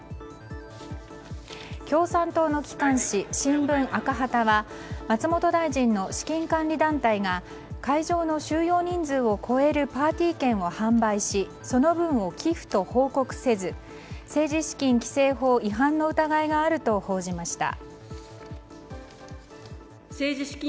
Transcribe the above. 共産党の機関紙しんぶん赤旗は松本大臣の資金管理団体が会場の収容人数を超えるパーティー券を販売しその分を寄付と報告せず、政治資金規正法違反の疑いがあると報じました。